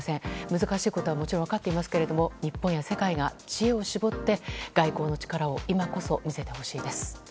難しいことはもちろん分かっていますが日本や世界が知恵を絞って外交の力を今こそ見せてほしいです。